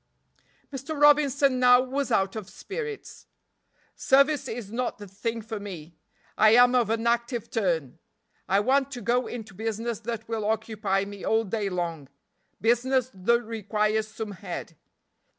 Mr. Robinson now was out of spirits. "Service is not the thing for me. I am of an active turn I want to go into business that will occupy me all day long business that requires some head.